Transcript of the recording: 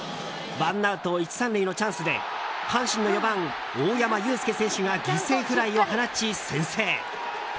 ワンアウト１、３塁のチャンスで阪神の４番、大山悠輔選手が犠牲フライを放ち、先制。